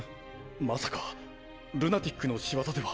まさかルナティックの仕業では？